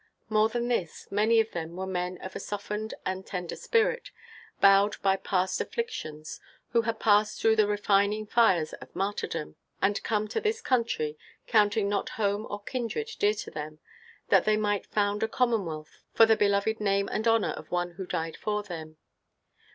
More than this, many of them were men of a softened and tender spirit, bowed by past afflictions, who had passed through the refining fires of martyrdom, and come to this country, counting not home or kindred dear to them, that they might found a commonwealth for the beloved name and honor of One who died for them.